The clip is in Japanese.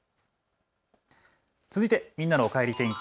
続いて、みんなのおかえり天気。